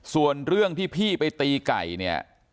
ส่วนเรื่องที่พี่ไปตีไก่เนี่ย